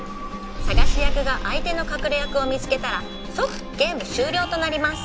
「探し役が相手の隠れ役を見つけたら即ゲーム終了となります」